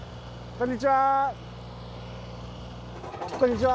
こんにちは。